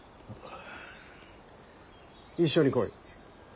一緒に来い。